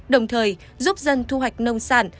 đồng thời giúp dân thu hoạch nông sản